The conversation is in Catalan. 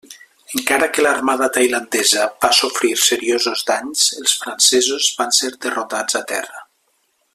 Encara que l'armada tailandesa va sofrir seriosos danys, els francesos van ser derrotats a terra.